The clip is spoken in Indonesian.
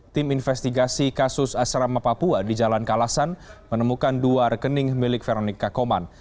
tim investigasi kasus asrama papua di jalan kalasan menemukan dua rekening milik veronica koman